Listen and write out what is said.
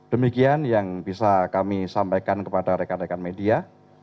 demikian yang bisa kami sampaikan kepada rekan rekan media